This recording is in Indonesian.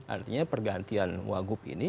artinya pergantian wagup ini